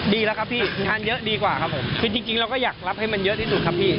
ดีแล้วครับพี่งานเยอะดีกว่าครับผมคือจริงเราก็อยากรับให้มันเยอะที่สุดครับพี่